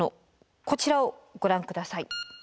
こちらをご覧下さい。